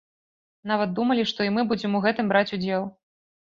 Нават думалі, што і мы будзем у гэтым браць удзел.